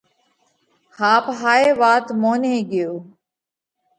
ۿاپ هائي وات موني ڳيو۔